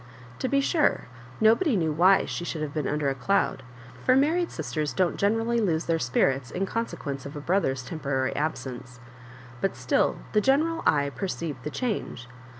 To be sure, nobody kne^ why she should have been under a cloud, for mar ried sisters don't generally lose their spirits in consetjaence of a brother's temporary absence ; but still the general eye perceived the change.